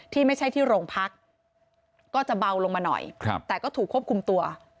ที่ไม่ใช่ที่โรงพักก็จะเบาลงมาหน่อยแต่ก็ถูกควบคุมตัว